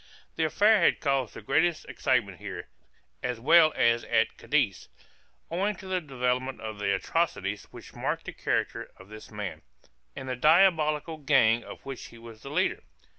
The affair had caused the greatest excitement here, as well as at Cadiz, owing to the development of the atrocities which marked the character of this man, and the diabolical gang of which he was the leader.